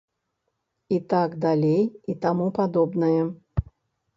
І так далей і таму падобнае.